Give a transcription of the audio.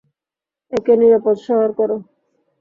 একে নিরাপদ শহর করো।